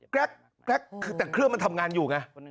แก๊กคือแต่เครื่องมันทำงานอยู่ไง